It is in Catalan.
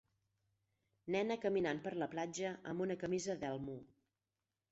Nena caminant per la platja amb una camisa d'elmo.